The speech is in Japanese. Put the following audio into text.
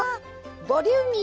ボリューミー！